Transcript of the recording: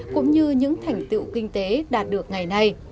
cũng như những thành tựu kinh tế đạt được ngày nay